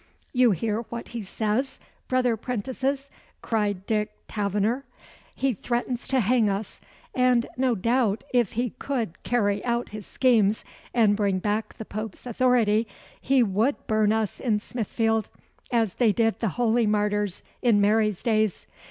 "You hear what he says, brother 'prentices?" cried Dick Taverner. "He threatens to hang us, and no doubt if he could carry out his schemes, and bring back the Pope's authority, he would burn us in Smithfield, as they did the holy martyrs in Mary's days.